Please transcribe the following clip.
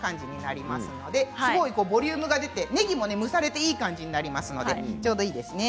すごいボリュームが出てねぎも蒸されて、いい感じになりますのでちょうどいいですね。